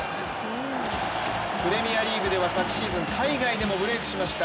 プレミアリーグでは昨シーズン海外でもブレークしました